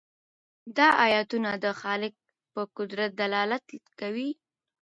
دا آیتونه د خالق په قدرت دلالت کوي.